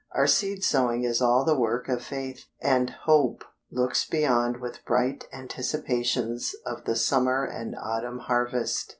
Our seed sowing is all the work of Faith, and Hope looks beyond with bright anticipations of the summer and autumn harvest.